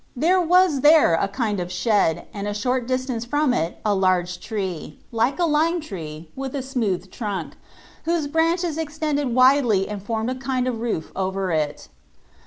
There was there a kind of shed, and a short distance from it a large tree, like a lime tree, with a smooth trunk, whose branches extended widely and formed a kind of roof over it.